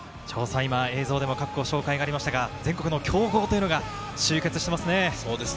今、映像でもご紹介がありました全国の強豪が集結していますね。